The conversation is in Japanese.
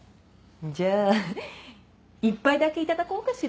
じゃあ一杯だけいただこうかしら。